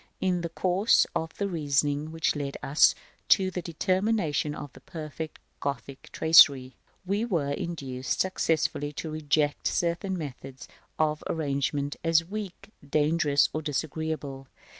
In the course of the reasoning which led us to the determination of the perfect Gothic tracery, we were induced successively to reject certain methods of arrangement as weak, dangerous, or disagreeable.